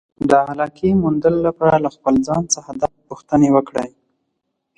د علاقې موندلو لپاره له خپل ځان څخه داسې پوښتنې وکړئ.